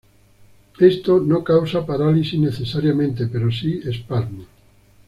Esto no causa parálisis necesariamente pero sí espasmos.